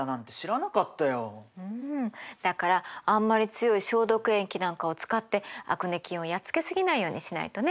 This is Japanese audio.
うんだからあんまり強い消毒液なんかを使ってアクネ菌をやっつけ過ぎないようにしないとね。